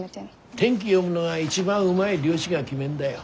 天気読むのが一番うまい漁師が決めんだよ。